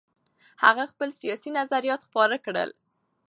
هغه خپل سیاسي نظریات خپاره کړل.